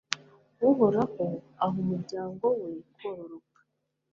Uhoraho aha umuryango we kororoka